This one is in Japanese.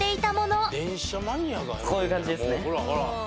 こういう感じですね。